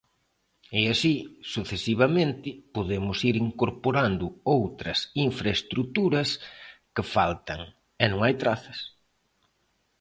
E así, sucesivamente, podemos ir incorporando outras infraestruturas que faltan e non hai trazas.